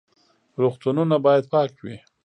روغتونونه باید پاک وي